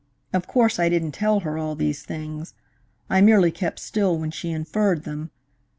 Of course I didn't tell her all these things. I merely kept still when she inferred them.